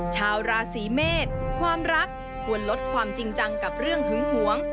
ชาวราศีเมษความรักควรลดความจริงจังกับเรื่องหึงหวง